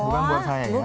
bukan buat saya ya